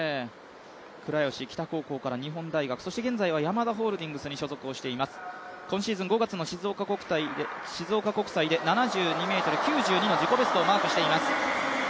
倉吉北高校から日本大学、現在はヤマダホールディングスに所属して、今シーズン、今シーズン、静岡国際で７２ｍ９２の自己ベストをマークしています。